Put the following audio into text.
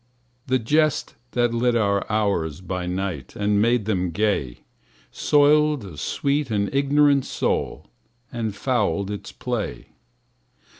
The jests that lit our hours by night And made them gay, Soiled a sweet and ignorant soul And fouled its play.